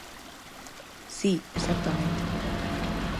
Si, exactamente.